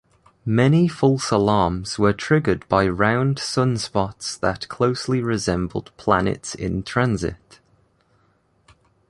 Many false alarms were triggered by round sunspots that closely resembled planets in transit.